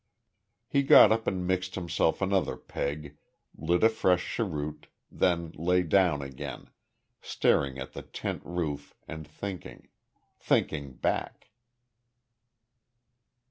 He got up and mixed himself another peg, lit a fresh cheroot, then lay down again, staring at the tent roof and thinking thinking back.